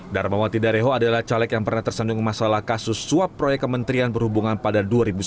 darmawati dareho adalah caleg yang pernah tersandung masalah kasus suap proyek kementerian perhubungan pada dua ribu sembilan